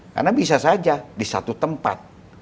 karena bisa saja di satu tempat